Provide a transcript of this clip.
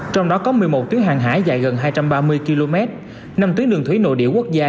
trong đó có một mươi một tuyến hàng hải dài gần hai trăm ba mươi km năm tuyến đường thủy nội địa quốc gia